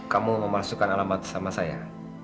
kamu memasukkan alamat sama saya